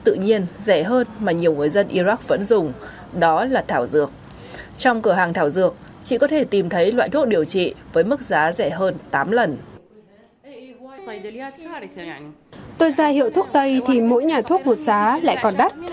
tôi ra hiệu thuốc tây thì mỗi nhà thuốc một giá lại còn đắt